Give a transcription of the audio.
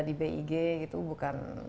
di big itu bukan